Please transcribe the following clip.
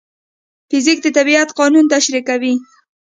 فزیک د طبیعت قانونونه تشریح کوي.